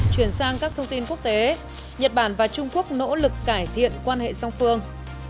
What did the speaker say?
chuyển sang các thông tin quốc tế nhật bản và trung quốc nỗ lực cải thiện quan hệ song phương